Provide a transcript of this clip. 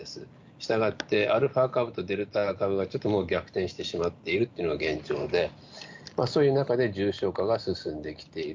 したがってアルファ株とデルタ株がちょっと逆転してしまっているというのが現状で、そういう中で重症化が進んできている。